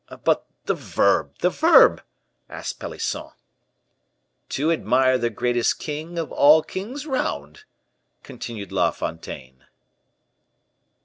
'" "But the verb, the verb?" asked Pelisson. "To admire the greatest king of all kings round," continued La Fontaine.